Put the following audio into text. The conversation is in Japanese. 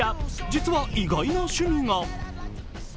実は、意外な趣味が。